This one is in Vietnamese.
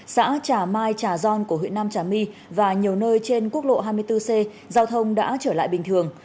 xã trà mai trà gion của huyện nam trà my và nhiều nơi trên quốc lộ hai mươi bốn c giao thông đã trở lại bình thường